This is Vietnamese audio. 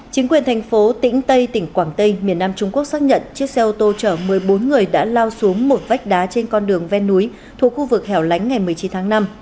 chính quyền thành phố tĩnh tây tỉnh quảng tây miền nam trung quốc xác nhận chiếc xe ô tô chở một mươi bốn người đã lao xuống một vách đá trên con đường ven núi thuộc khu vực hẻo lánh ngày một mươi chín tháng năm